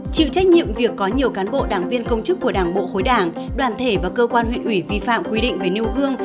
chịu trách nhiệm việc có nhiều cán bộ đảng viên công chức của đảng bộ khối đảng đoàn thể và cơ quan huyện ủy vi phạm quy định về nêu gương